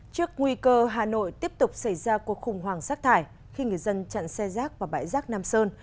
trước nguy cơ hà nội tiếp tục xảy ra cuộc khủng hoảng rác thải khi người dân chặn xe rác vào bãi rác nam sơn